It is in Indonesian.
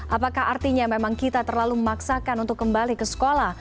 apakah artinya memang kita terlalu memaksakan untuk kembali ke sekolah